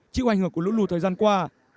chịu ảnh hưởng của lũ lù thời gian qua